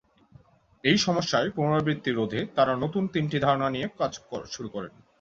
এই সমস্যার পুনরাবৃত্তি রোধে তারা নতুন তিনটি ধারণা নিয়ে কাজ শুরু করেন।